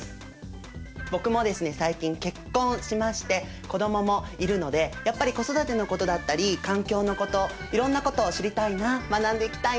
僕もですね最近結婚しまして子どももいるのでやっぱり子育てのことだったり環境のこといろんなことを知りたいな学んでいきたいなと思っておりますので